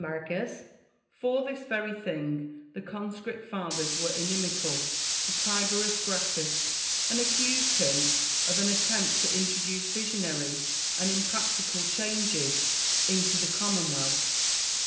Marcus. For this vex y thing the Conscript Fathers were inimical to Tiberius Gracchus, and accused him of an attempt to introduce visionary and impracticable changes 41 322 IMA GINAR V CON VERS A TIONS. into the Commonwealth.